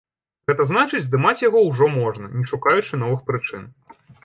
Гэта значыць, здымаць яго ўжо можна, не шукаючы новых прычын.